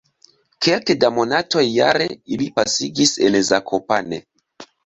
Kelke da monatoj jare ili pasigis en Zakopane.